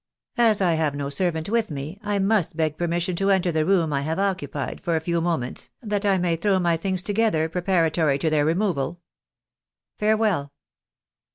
As I have no servant with me, I must beg permission to enter the room I have occupied for a few moments, that I may throw my things together preparatory to their removal. Farewell."